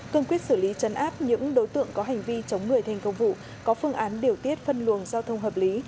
cương quyết xử lý chấn áp những đối tượng có hành vi chống người thành công vụ có phương án điều tiết phân luồng giao thông hợp lý